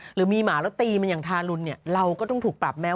หรือมีหมาตีมันเราย็ต้องถูกปรับแมว